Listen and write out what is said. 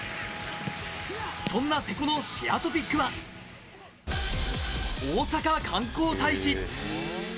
そんな瀬古のシェアＴＯＰＩＣは大阪観光大使。